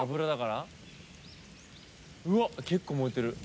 うわっ結構燃えてる。